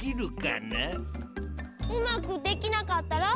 うまくできなかったら？